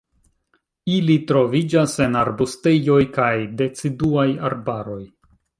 Ili troviĝas en arbustejoj kaj deciduaj arbaroj.